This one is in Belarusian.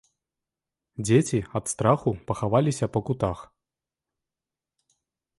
Дзеці ад страху пахаваліся па кутах.